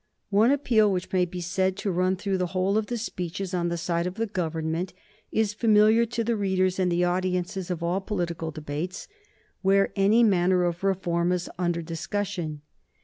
One appeal which may be said to run through the whole of the speeches on the side of the Government is familiar to the readers and the audiences of all political debates, whore any manner of Reform is under discussion.